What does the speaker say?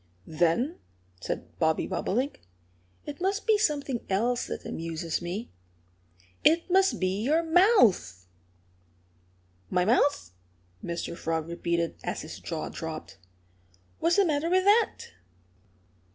"Then," said Bobby Bobolink, "it must be something else that amuses me. It must be your mouth!" "My mouth!" Mr. Frog repeated, as his jaw dropped. "What's the matter with that?"